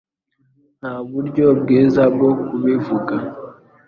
Nta buryo bwiza bwo kubivuga,